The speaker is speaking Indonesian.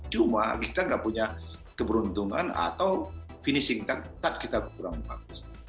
cuma kita nggak punya keberuntungan atau finishing ketat kita kurang bagus